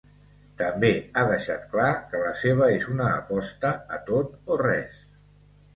També ha deixat clar que la seva és una aposta a tot o res.